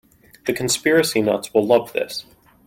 The conspiracy nuts will love this.